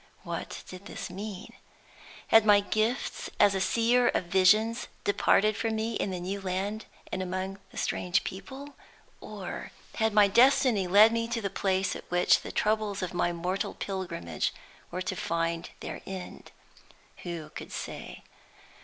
What did this mean? Had my gifts as a seer of visions departed from me in the new land and among the strange people? Or had my destiny led me to the place at which the troubles of my mortal pilgrimage were to find their end? Who could say?